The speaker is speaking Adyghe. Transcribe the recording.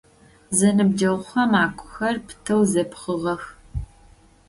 Зэныбджэгъухэм агухэр пытэу зэпхыгъэх.